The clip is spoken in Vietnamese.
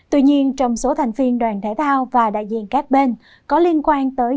tuy nhiên trong số thành viên đoàn thể thao và đại diện các bên có liên quan tới